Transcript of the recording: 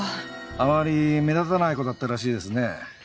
あまり目立たない子だったらしいですね。